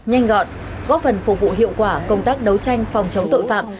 nhanh gọn góp phần phục vụ hiệu quả công tác đấu tranh phòng chống tội phạm